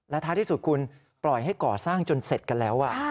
ท้ายที่สุดคุณปล่อยให้ก่อสร้างจนเสร็จกันแล้ว